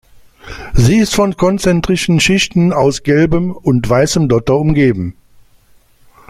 Sie ist von konzentrischen Schichten aus gelbem und weißem Dotter umgeben.